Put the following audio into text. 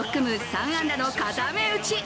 ３安打の固め打ち。